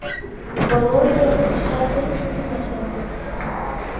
Володиа ахәыҷра зырҳәо имаӡамызт.